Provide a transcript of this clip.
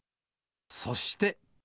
そして。